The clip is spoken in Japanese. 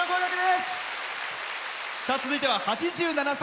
続いては８７歳。